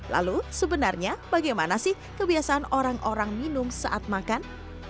lalu sebenarnya bagaimana sih kebiasaan orang orang minum saat makan